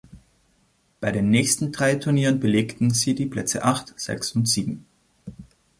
Bei den nächsten drei Turnieren belegten sie die Plätze acht, sechs und sieben.